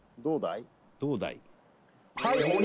どうだい？